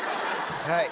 はい。